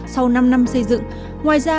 sau năm năm xây dựng ngoài ra